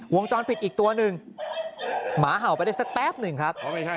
วงจรปิดอีกตัวหนึ่งหมาเห่าไปได้สักแป๊บหนึ่งครับ